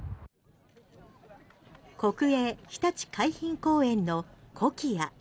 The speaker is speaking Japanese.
国営ひたち海浜公園のコキア。